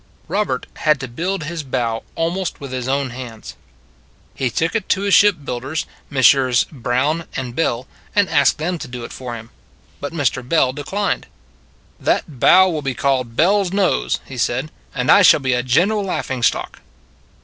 Robert had to build his bow almost with his own hands. He took it to his ship builders, Messrs. Brown & Bell, and asked them to do it for him. But Mr. Bell declined. 78 " They Say " 79 " That bow will be called Bell s nose," he said, " and I shall be a general laughing stock.